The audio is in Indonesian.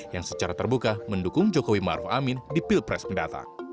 yang secara terbuka mendukung jokowi maruf amin di pilpres mendatang